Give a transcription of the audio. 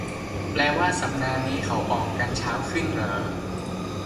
แปลว่าสัปดาห์นี้เขาออกกันเช้าขึ้นเหรอ